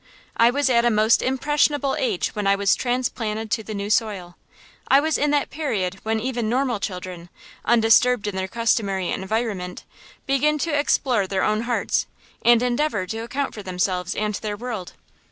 I was at a most impressionable age when I was transplanted to the new soil. I was in that period when even normal children, undisturbed in their customary environment, begin to explore their own hearts, and endeavor to account for themselves and their world.